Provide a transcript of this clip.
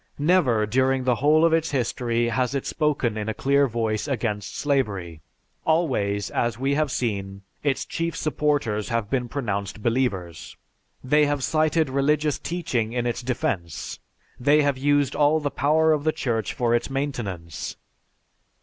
Never, during the whole of its history has it spoken in a clear voice against slavery; always, as we have seen, its chief supporters have been pronounced believers. They have cited religious teaching in its defence, they have used all the power of the Church for its maintenance.